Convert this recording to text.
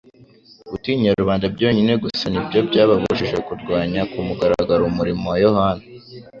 gutinya rubanda byonyine gusa nibyo byababujije kurwanya ku mugaragaro umurimo wa Yohana.